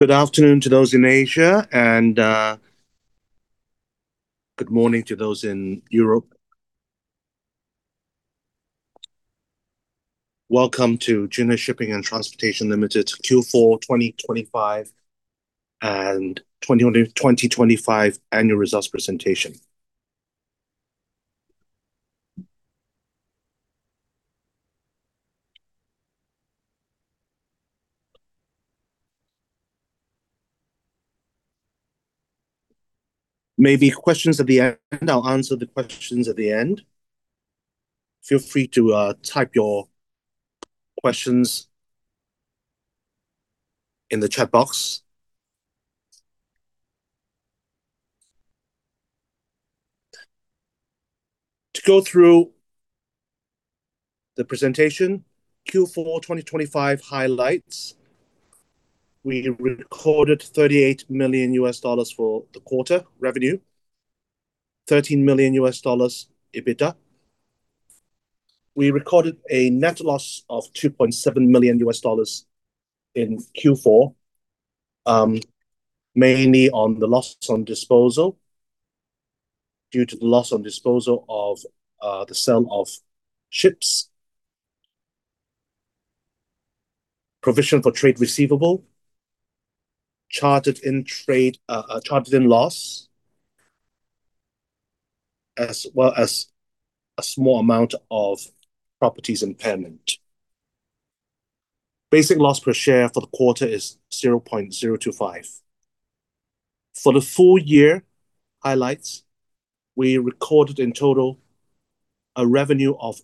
Good afternoon to those in Asia, and good morning to those in Europe. Welcome to Jinhui Shipping and Transportation Limited Q4 2025 and 2025 annual results presentation. Maybe questions at the end. I'll answer the questions at the end. Feel free to type your questions in the chat box. To go through the presentation, Q4 2025 highlights. We recorded $38 million for the quarter revenue, $13 million EBITDA. We recorded a net loss of $2.7 million in Q4, mainly on the losses on disposal, due to the loss on disposal of the sale of ships. Provision for trade receivable, chartered in trade, chartered in loss, as well as a small amount of properties impairment. Basic loss per share for the quarter is $0.025. For the full year highlights, we recorded in total a revenue of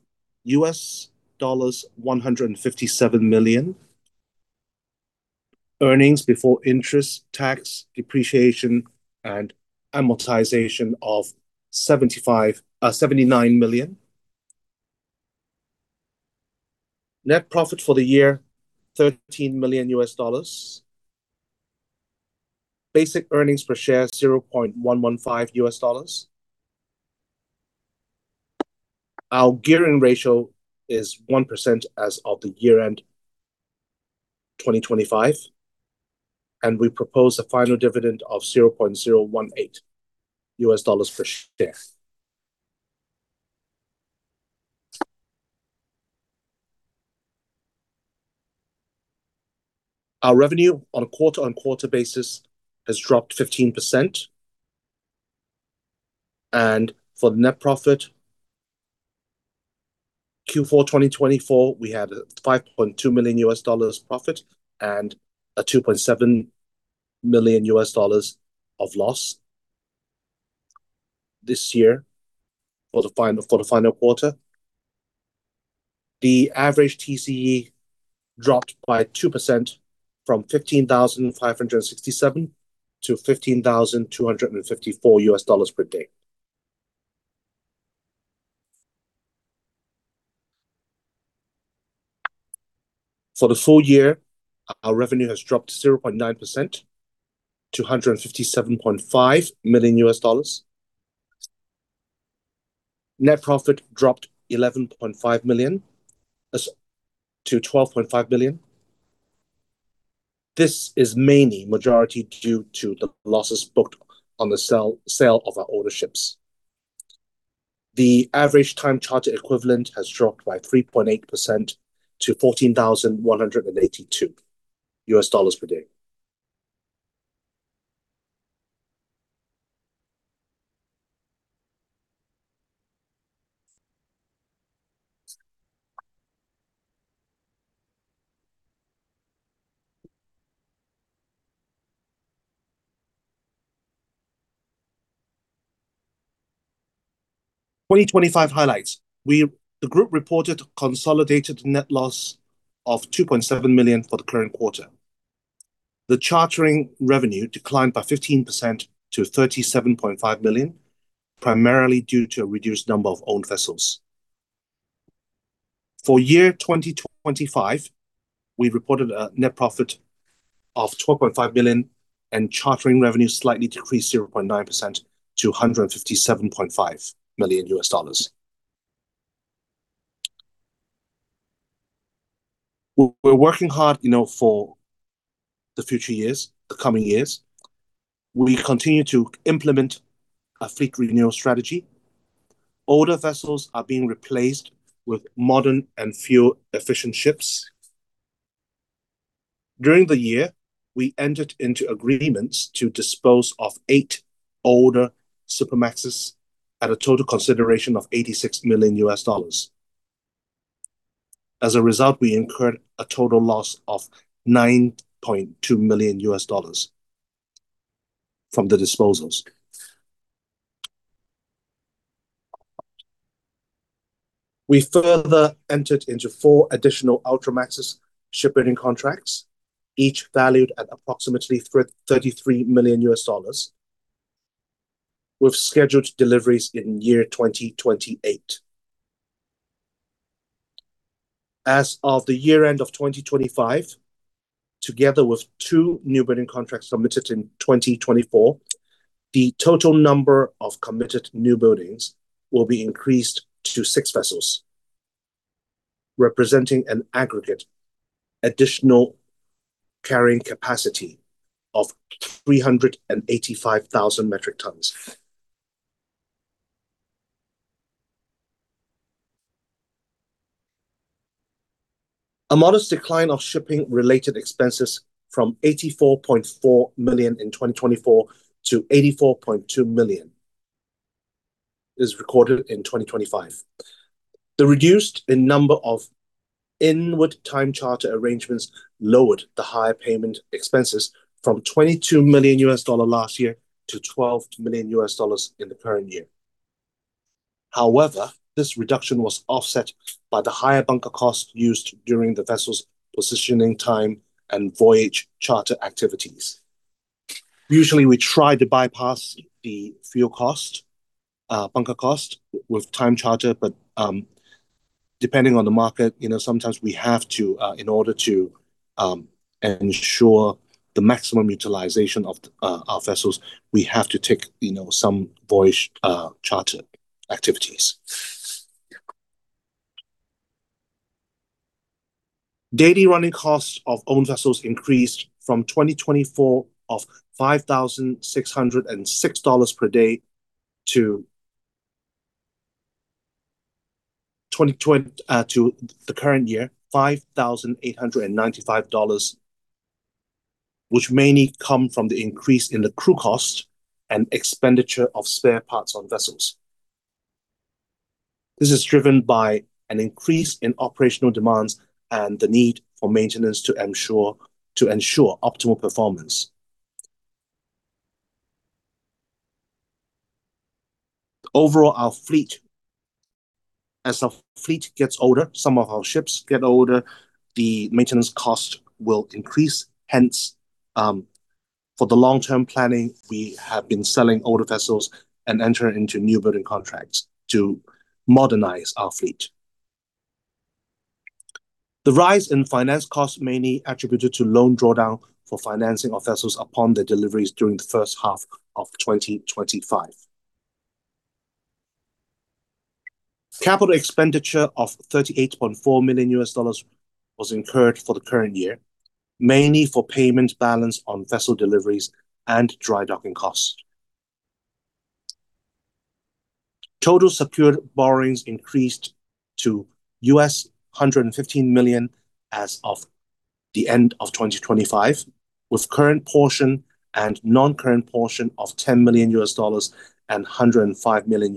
$157 million. EBITDA of $79 million. Net profit for the year, $13 million. Basic earnings per share, $0.115. Our gearing ratio is 1% as of the year end, 2025. We propose a final dividend of $0.018 per share. Our revenue on a quarter-on-quarter basis has dropped 15%. For the net profit, Q4 2024, we had a $5.2 million profit and a $2.7 million of loss this year for the final quarter. The average TCE dropped by 2% from $15,567 to $15,254 per day. For the full year, our revenue has dropped 0.9% to $157.5 million. Net profit dropped $11.5 million to $12.5 million. This is mainly majority due to the losses booked on the sale of our older ships. The average Time Charter Equivalent has dropped by 3.8% to $14,182 per day. 2025 highlights. The group reported consolidated net loss of $2.7 million for the current quarter. The chartering revenue declined by 15% to $37.5 million, primarily due to a reduced number of owned vessels. For year 2025, we reported a net profit of $12.5 billion. Chartering revenue slightly decreased 0.9% to $157.5 million. We're working hard, you know, for the future years, the coming years. We continue to implement a fleet renewal strategy. Older vessels are being replaced with modern and fuel-efficient ships. During the year, we entered into agreements to dispose of eight older Supramaxes at a total consideration of $86 million. As a result, we incurred a total loss of $9.2 million from the disposals. We further entered into four additional Ultramax ship building contracts, each valued at approximately $33 million, with scheduled deliveries in year 2028. As of the year end of 2025, together with two new building contracts submitted in 2024, the total number of committed new buildings will be increased to six vessels, representing an aggregate additional carrying capacity of 385,000 metric tons. A modest decline of shipping-related expenses from $84.4 million in 2024 to $84.2 million is recorded in 2025. The reduced in number of inward time charter arrangements lowered the higher payment expenses from $22 million last year to $12 million in the current year. However, this reduction was offset by the higher bunker cost used during the vessel's positioning time and voyage charter activities. Usually, we try to bypass the fuel cost, bunker cost with time charter, but, depending on the market, you know, sometimes we have to, in order to, ensure the maximum utilization of our vessels, we have to take, you know, some voyage, charter activities. Daily running costs of owned vessels increased from 2024 of $5,606 per day to the current year, $5,895, which mainly come from the increase in the crew cost and expenditure of spare parts on vessels. This is driven by an increase in operational demands and the need for maintenance to ensure optimal performance. Overall, as our fleet gets older, some of our ships get older, the maintenance cost will increase. For the long-term planning, we have been selling older vessels and entering into new building contracts to modernize our fleet. The rise in finance costs mainly attributed to loan drawdown for financing of vessels upon their deliveries during the first half of 2025. Capital expenditure of $38.4 million was incurred for the current year, mainly for payment balance on vessel deliveries and dry docking costs. Total secured borrowings increased to $115 million as of the end of 2025, with current portion and non-current portion of $10 million and $105 million.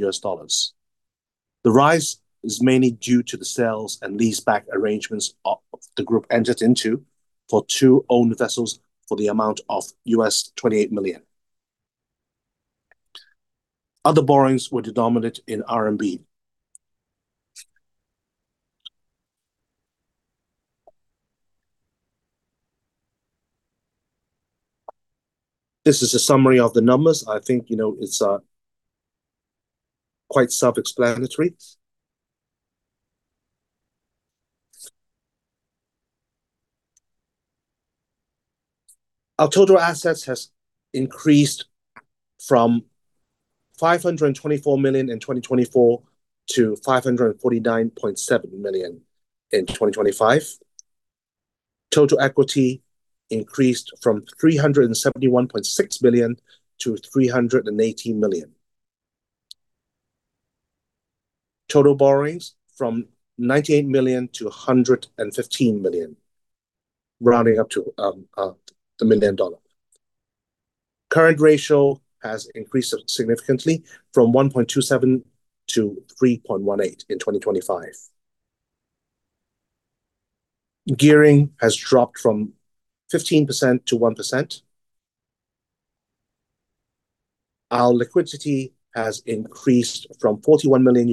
The rise is mainly due to the sale and leaseback arrangements the group entered into for two owned vessels for the amount of $28 million. Other borrowings were denominated in RMB. This is a summary of the numbers. I think, you know, it's quite self-explanatory. Our total assets has increased from $524 million in 2024 to $549.7 million in 2025. Total equity increased from $371.6 million to $318 million. Total borrowings from $98 million to $115 million, rounding up to the million dollar. Current ratio has increased significantly from 1.27 to 3.18 in 2025. Gearing has dropped from 15%-1%. Our liquidity has increased from $41 million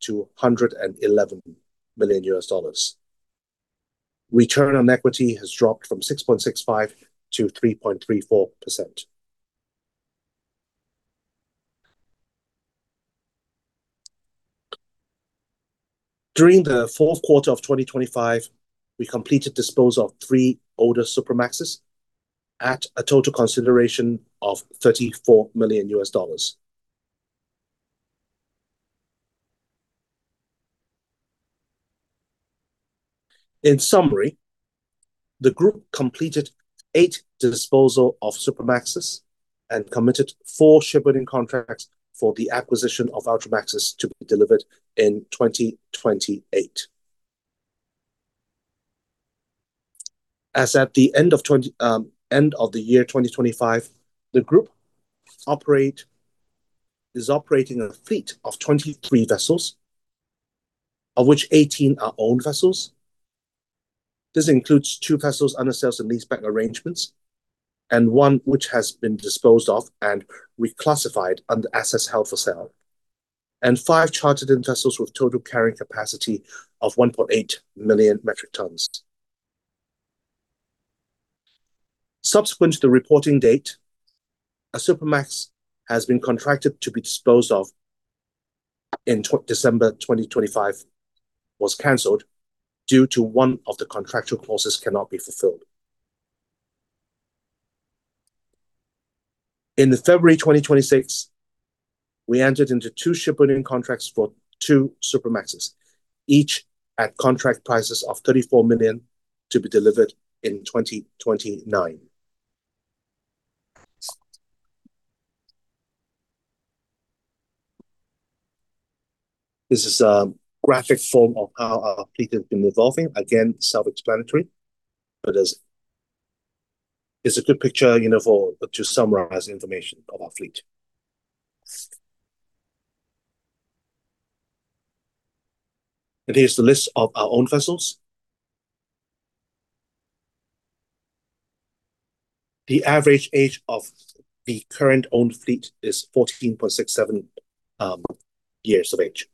to $111 million. Return on equity has dropped from 6.65%-3.34%. During the fourth quarter of 2025, we completed disposal of three older Supramaxes at a total consideration of $34 million. In summary, the group completed eight disposal of Supramaxes and committed four shipbuilding contracts for the acquisition of Ultramax to be delivered in 2028. As at the end of the year 2025, the group is operating a fleet of 23 vessels, of which 18 are owned vessels. This includes two vessels under sale and leaseback arrangements, and one which has been disposed of and reclassified under assets held for sale, and five chartered-in vessels with total carrying capacity of 1.8 million metric tons. Subsequent to the reporting date, a Supramax has been contracted to be disposed of in December 2025, was canceled due to one of the contractual clauses cannot be fulfilled. In the February 2026, we entered into two shipowning contracts for two Supramaxes, each at contract prices of $34 million to be delivered in 2029. This is a graphic form of how our fleet has been evolving. Again, self-explanatory, but as it's a good picture, you know, to summarize information of our fleet. Here's the list of our own vessels. The average age of the current owned fleet is 14.67 years of age.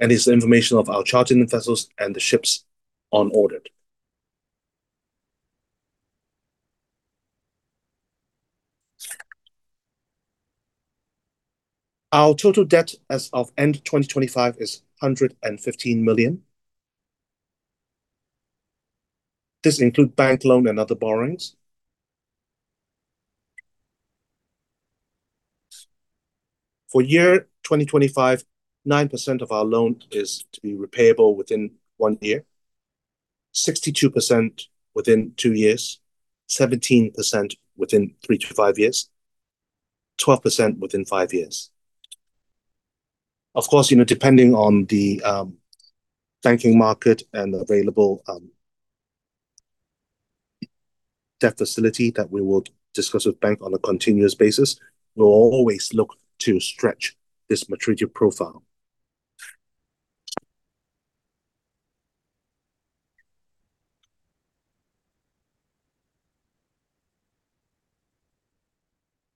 This is the information of our chartering vessels and the ships on audit. Our total debt as of end of 2025 is $115 million. This include bank loan and other borrowings. For year 2025, 9% of our loan is to be repayable within one year, 62% within two years, 17% within three to five years, 12% within five years. Of course, you know, depending on the banking market and available debt facility that we will discuss with bank on a continuous basis, we'll always look to stretch this maturity profile.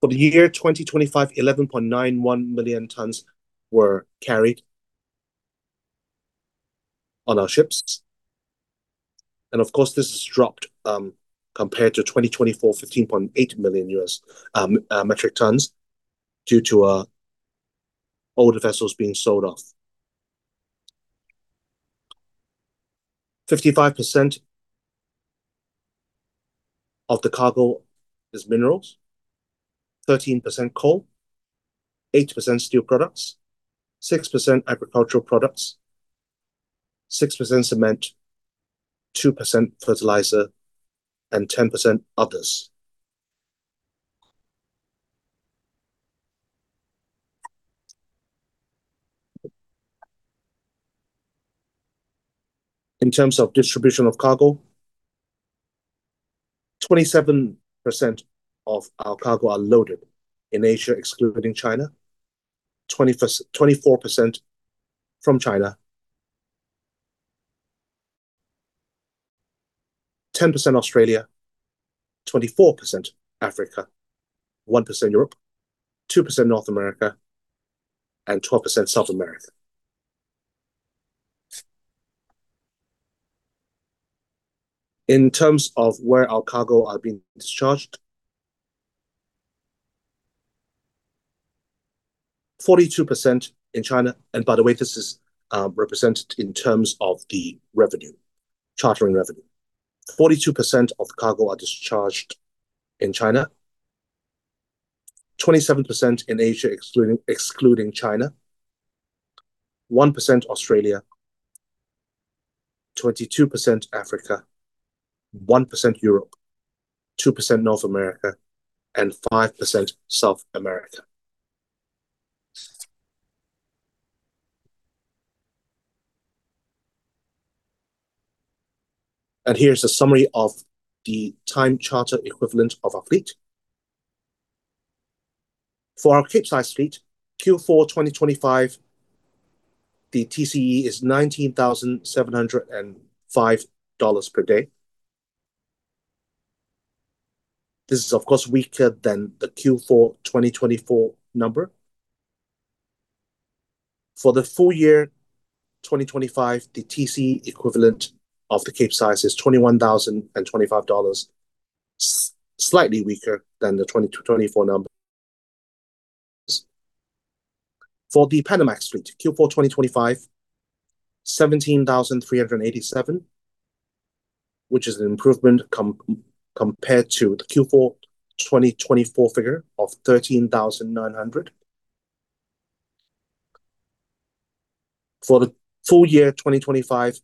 For the year 2025, 11.91 million tonnes were carried on our ships, and of course, this has dropped, compared to 2024, 15.8 million U.S. metric tonnes, due to our older vessels being sold off. 55% of the cargo is minerals, 13% coal, 8% steel products, 6% agricultural products, 6% cement, 2% fertilizer, and 10% others. In terms of distribution of cargo, 27% of our cargo are loaded in Asia, excluding China, 24% from China, 10% Australia, 24% Africa, 1% Europe, 2% North America, and 12% South America. In terms of where our cargo are being discharged, 42% in China, by the way, this is represented in terms of the revenue, chartering revenue. 42% of cargo are discharged in China, 27% in Asia, excluding China, 1% Australia, 22% Africa, 1% Europe, 2% North America, 5% South America. Here's a summary of the Time Charter Equivalent of our fleet. For our Capesize fleet, Q4 2025, the TCE is $19,705 per day. This is, of course, weaker than the Q4 2024 number. For the full year 2025, the TCE equivalent of the Capesize is $21,025, slightly weaker than the 2024 number. For the Panamax fleet, Q4 2025, 17,387, which is an improvement compared to the Q4 2024 figure of 13,900. For the full year 2025,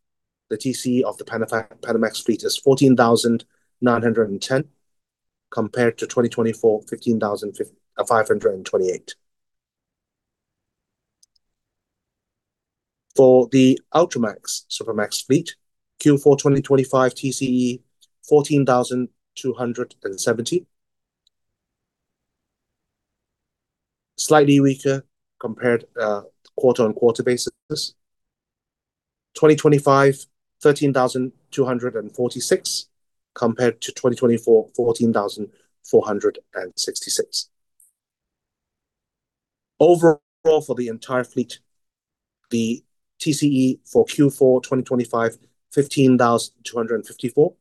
the TCE of the Panamax fleet is 14,910, compared to 2024, 15,528. For the Ultramax, Supramax fleet, Q4 2025 TCE, 14,270. Slightly weaker compared, quarter on quarter basis. 2025, 13,246, compared to 2024, 14,466. Overall, for the entire fleet, the TCE for Q4 2025, 15,254.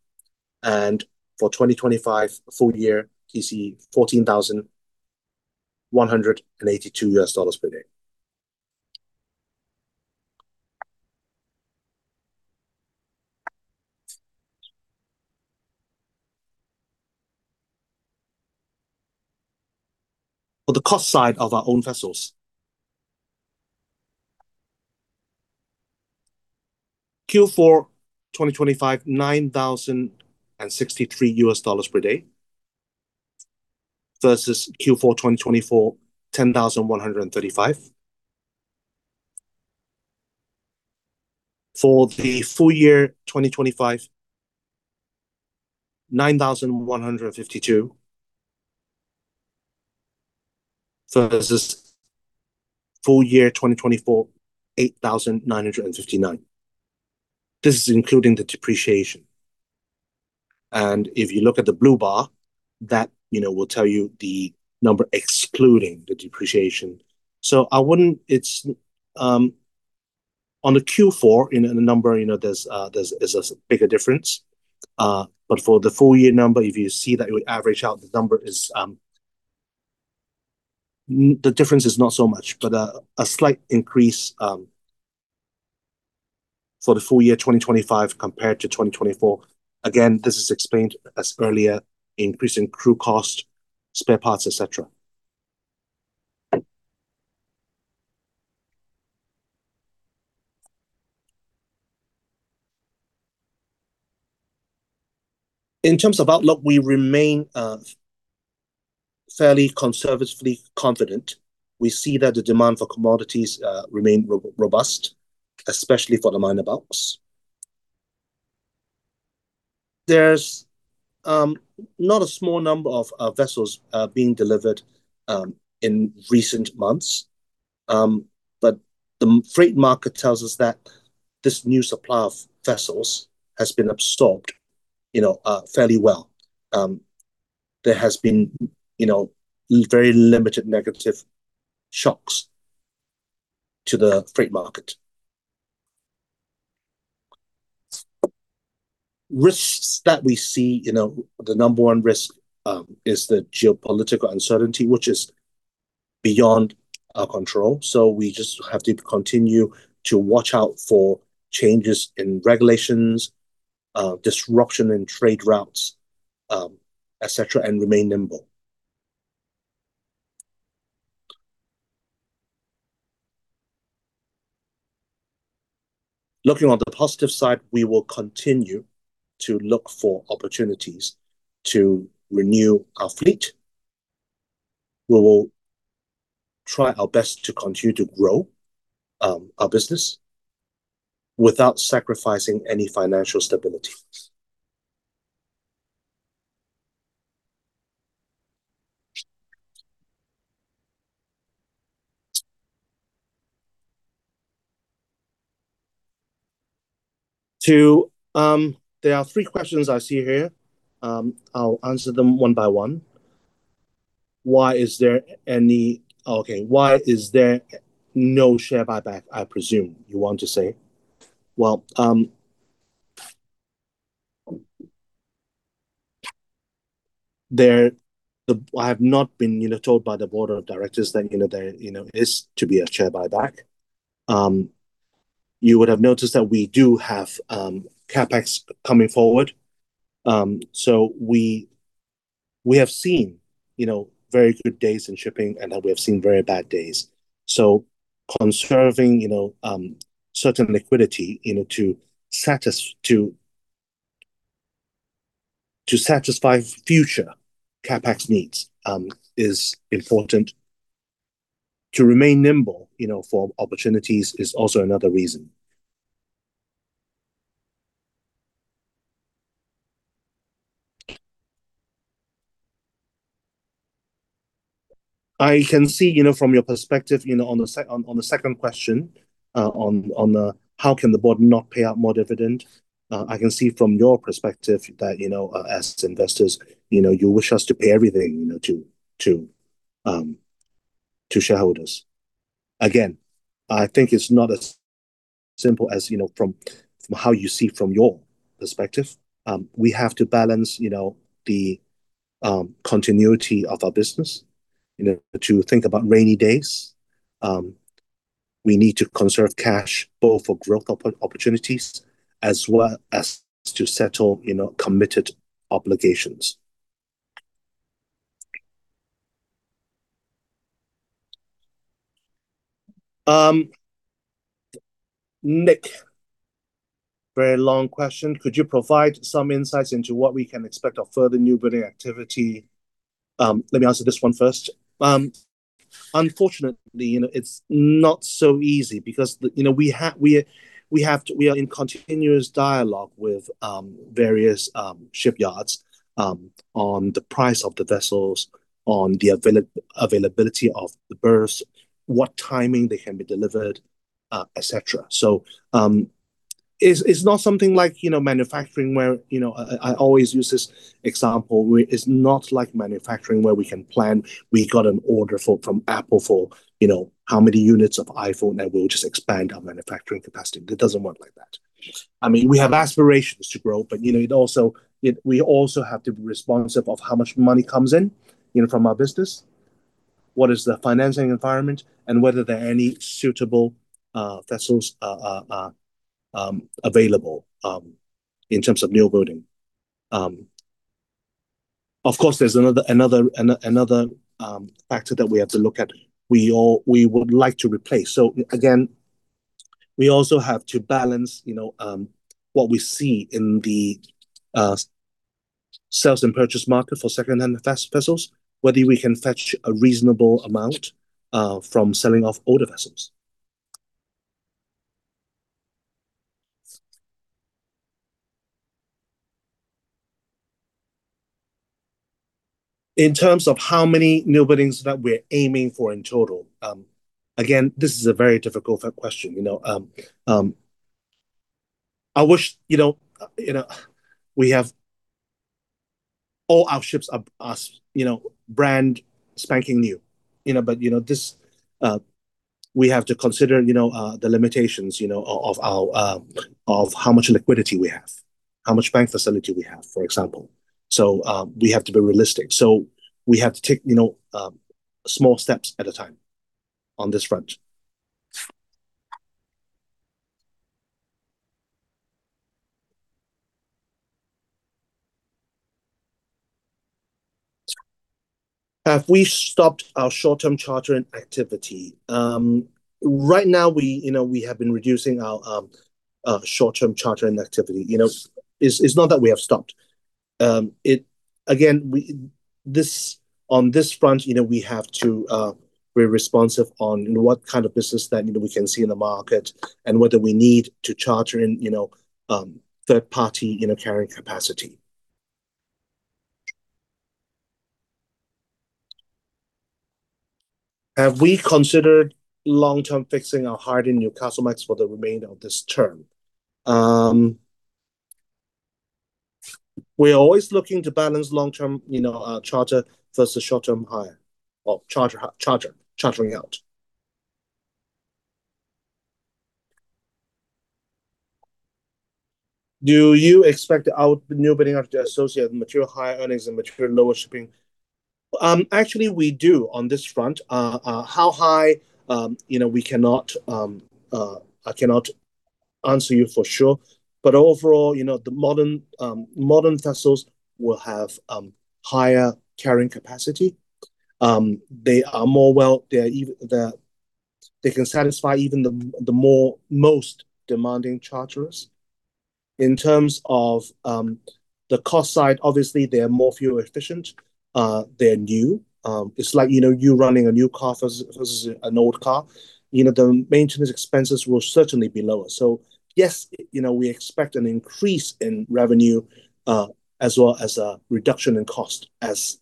For 2025 full year, you see $14,182 per day. For the cost side of our own vessels, Q4 2025, $9,063 per day, versus Q4 2024, $10,135. For the full year 2025, $9,152, versus full year 2024, $8,959. This is including the depreciation. If you look at the blue bar, that, you know, will tell you the number excluding the depreciation. It's on the Q4, in the number, you know, there's a bigger difference. For the full year number, if you see that it would average out, the number is, the difference is not so much, but a slight increase for the full year 2025 compared to 2024. This is explained as earlier, increase in crew cost, spare parts, et cetera. In terms of outlook, we remain fairly conservatively confident. We see that the demand for commodities remain robust, especially for the minor bulks. There's not a small number of vessels being delivered in recent months. The freight market tells us that this new supply of vessels has been absorbed, you know, fairly well. There has been, you know, very limited negative shocks to the freight market. Risks that we see, you know, the number one risk is the geopolitical uncertainty, which is beyond our control. We just have to continue to watch out for changes in regulations, disruption in trade routes, et cetera, and remain nimble. Looking on the positive side, we will continue to look for opportunities to renew our fleet. We will try our best to continue to grow our business without sacrificing any financial stability. There are three questions I see here. I'll answer them one by one. Why is there no share buyback, I presume you want to say? Well, I have not been, you know, told by the board of directors that, you know, there, you know, is to be a share buyback. You would have noticed that we do have CapEx coming forward. We have seen, you know, very good days in shipping, and then we have seen very bad days. Conserving, you know, certain liquidity, you know, to satisfy future CapEx needs is important. To remain nimble, you know, for opportunities is also another reason. I can see, you know, from your perspective, you know, on the second question, on the, how can the board not pay out more dividend? I can see from your perspective that, you know, as investors, you know, you wish us to pay everything, you know, to shareholders. Again, I think it's not as simple as, you know, from how you see from your perspective. We have to balance, you know, the continuity of our business, you know, to think about rainy days. We need to conserve cash, both for growth opportunities, as well as to settle, you know, committed obligations. Nick, very long question: Could you provide some insights into what we can expect of further newbuilding activity? Let me answer this one first. Unfortunately, you know, it's not so easy because the, you know, we have to we are in continuous dialogue with various shipyards on the price of the vessels, on the availability of the berths, what timing they can be delivered, et cetera. It's not something like, you know, manufacturing, where, you know, I always use this example, where it's not like manufacturing, where we can plan. We got an order for, from Apple for, you know, how many units of iPhone, and we'll just expand our manufacturing capacity. It doesn't work like that. I mean, we have aspirations to grow, but, you know, it also, we also have to be responsive of how much money comes in, you know, from our business. What is the financing environment and whether there are any suitable, vessels, available, in terms of new building? Of course, there's another factor that we have to look at. We would like to replace. Again, we also have to balance, you know, what we see in the sales and purchase market for second-hand vessels, whether we can fetch a reasonable amount, from selling off older vessels. In terms of how many new buildings that we're aiming for in total, again, this is a very difficult question, you know. I wish, you know, we have all our ships are, us, you know, brand spanking new. You know, this, we have to consider, you know, the limitations, you know, of our, of how much liquidity we have, how much bank facility we have, for example. We have to be realistic. We have to take, you know, small steps at a time on this front. Have we stopped our short-term chartering activity? Right now, we, you know, we have been reducing our short-term chartering activity. You know, it's not that we have stopped. Again, we, on this front, you know, we have to, we're responsive on, you know, what kind of business that, you know, we can see in the market and whether we need to charter in, you know, third party, you know, carrying capacity. Have we considered long-term fixing our hire in Newcastlemax for the remainder of this term? We are always looking to balance long-term, you know, charter versus short-term hire or chartering out. Do you expect our new building after associate material higher earnings and material lower shipping? Actually, we do on this front. How high? You know, we cannot, I cannot answer you for sure, but overall, you know, the modern vessels will have higher carrying capacity. They are more well, they are even, they can satisfy even the most demanding charterers. In terms of the cost side, obviously, they are more fuel efficient, they're new. It's like, you know, you running a new car versus an old car, you know, the maintenance expenses will certainly be lower. Yes, you know, we expect an increase in revenue, as well as a reduction in cost as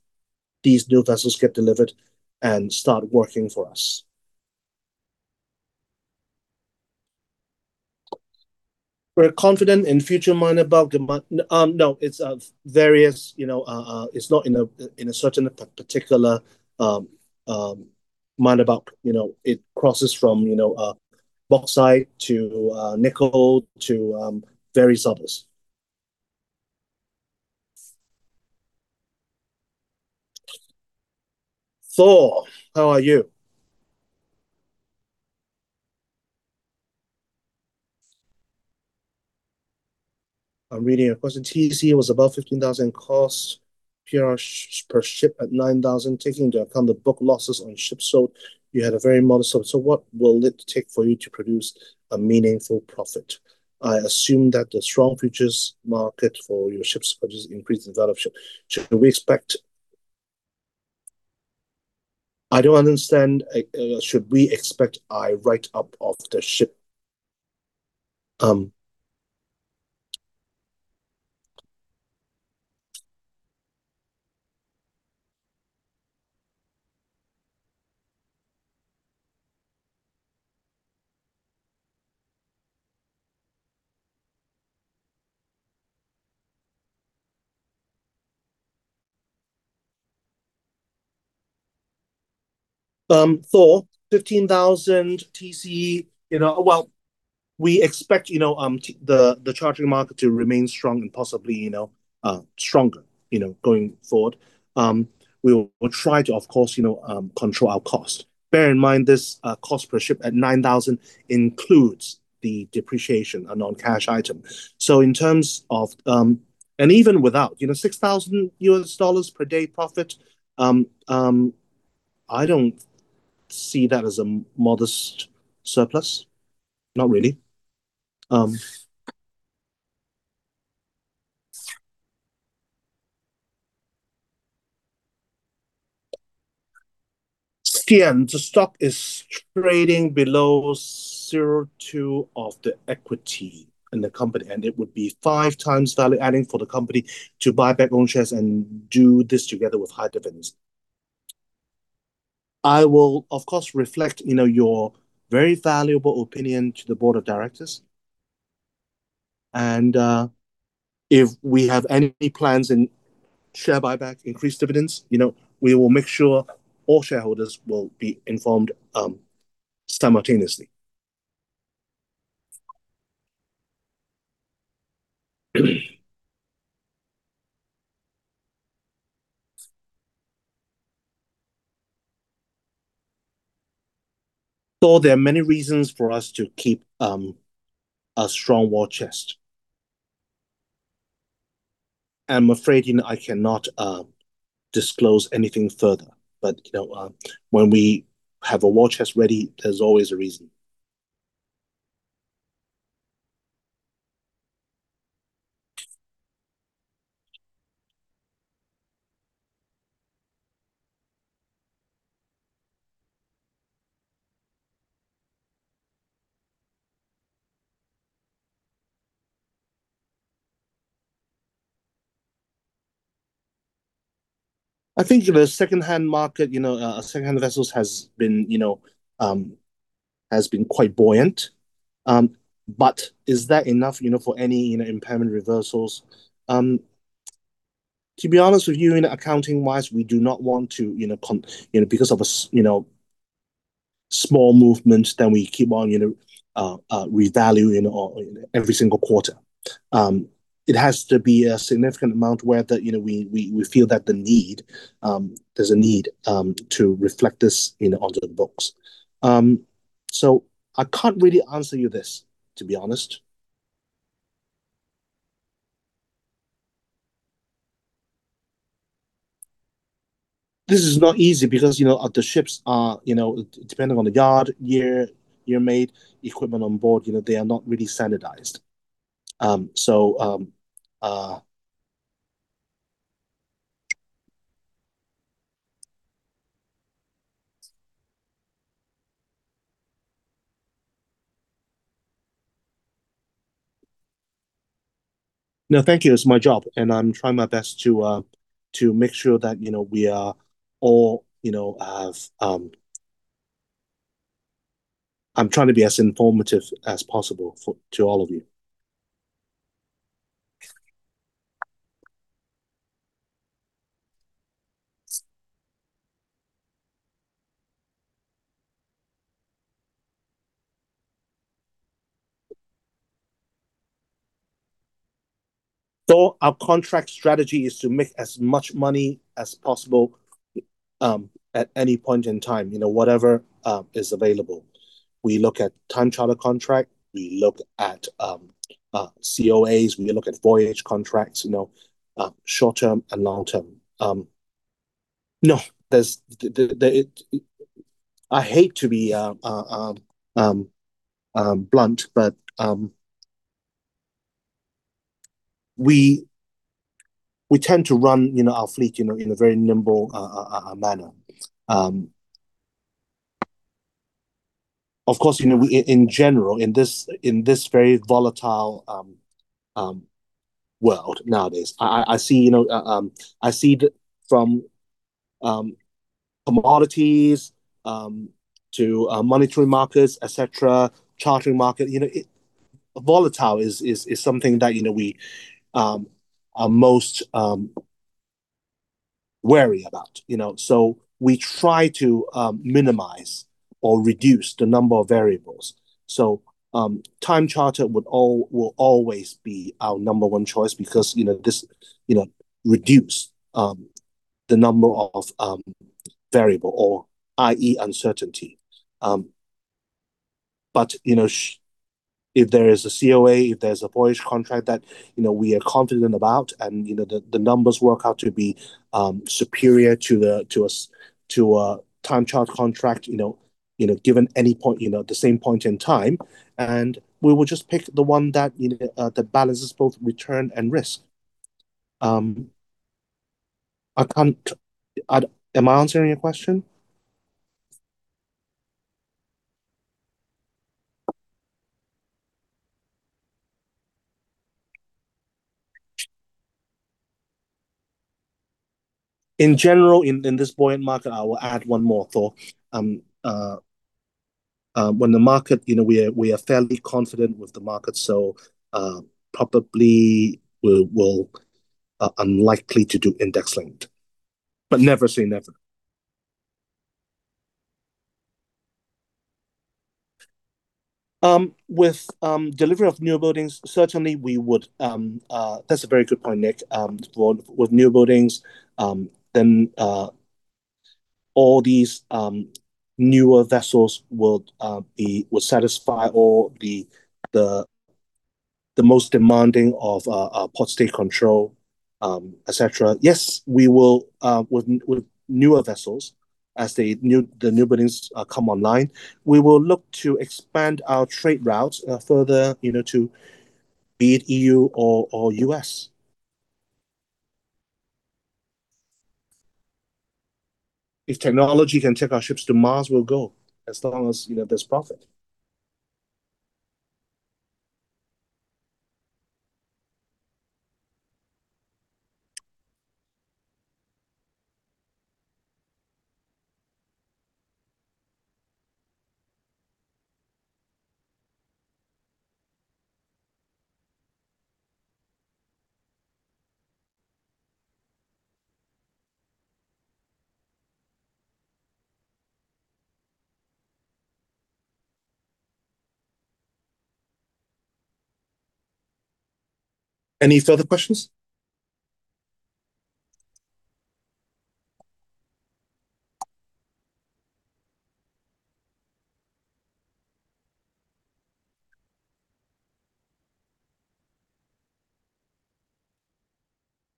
these new vessels get delivered and start working for us. We're confident in future minor bulk. No, it's various, you know, it's not in a certain particular minor bulk, you know, it crosses from, you know, bauxite to nickel to various others. Thor, how are you? I'm reading a question. TCE was above $15,000 costs, PR per ship at $9,000, taking into account the book losses on ships sold, you had a very modest sold. What will it take for you to produce a meaningful profit? I assume that the strong futures market for your ships purchase increased the value of ship. Should we expect. I don't understand, should we expect I write up of the ship? The 15,000 TCE, you know, well, we expect, you know, the chartering market to remain strong and possibly, you know, stronger, you know, going forward. We will try to, of course, you know, control our cost. Bear in mind, this cost per ship at 9,000 includes the depreciation, a non-cash item. In terms of, and even without, you know, $6,000 per day profit, I don't see that as a modest surplus. Not really. Stan, the stock is trading below 0.2 of the equity in the company, and it would be 5x value adding for the company to buy back own shares and do this together with high dividends. I will, of course, reflect, you know, your very valuable opinion to the board of directors, and, if we have any plans in share buyback, increased dividends, you know, we will make sure all shareholders will be informed, simultaneously. There are many reasons for us to keep a strong war chest. I'm afraid, you know, I cannot disclose anything further, but, you know, when we have a war chest ready, there's always a reason. I think the secondhand market, you know, secondhand vessels has been, you know, has been quite buoyant. Is that enough, you know, for any, you know, impairment reversals? To be honest with you, in accounting-wise, we do not want to, you know, you know, because of a you know, small movements, we keep on, you know, revaluing every single quarter. It has to be a significant amount where that, you know, we, we feel that the need, there's a need to reflect this, you know, onto the books. I can't really answer you this, to be honest. This is not easy because, you know, the ships are, you know, depending on the yard, year made, equipment on board, you know, they are not really standardized. No, thank you. It's my job, and I'm trying my best to make sure that, you know, we are all, you know, have. I'm trying to be as informative as possible for, to all of you. Our contract strategy is to make as much money as possible, at any point in time, you know, whatever is available. We look at time charter contract, we look at COA, we look at voyage contracts, you know, short term and long term. No, there's the I hate to be blunt, but we tend to run, you know, our fleet, you know, in a very nimble manner. Of course, you know, we, in general, in this, in this very volatile world nowadays, I see, you know, I see that from commodities to monetary markets, et cetera, chartering market, you know, it, volatile is something that, you know, we are most wary about, you know? We try to minimize or reduce the number of variables. Time charter will always be our number one choice because, you know, this, you know, reduce the number of variable or, i.e., uncertainty. You know, if there is a COA, if there's a voyage contract that, you know, we are confident about, you know, the numbers work out to be superior to a time charter contract, the same point in time, we will just pick the one that, you know, that balances both return and risk. I can't. Am I answering your question? In general, in this buoyant market, I will add one more thought. When the market, you know, we are fairly confident with the market, probably we'll unlikely to do index-linked. Never say never. With delivery of new buildings, certainly we would. That's a very good point, Nick. With new buildings, then, all these newer vessels will satisfy all the most demanding of, Port State Control, et cetera. Yes, we will with newer vessels, as the new buildings come online, we will look to expand our trade routes further, you know, to be it E.U. or U.S. If technology can take our ships to Mars, we'll go, as long as, you know, there's profit. Any further questions?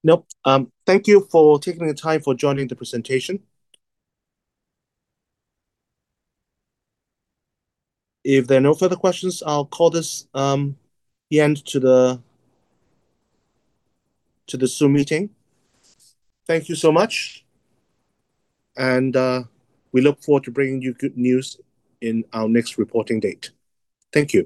Nope. Thank you for taking the time for joining the presentation. If there are no further questions, I'll call this the end to the Zoom meeting. Thank you so much, and, we look forward to bringing you good news in our next reporting date. Thank you.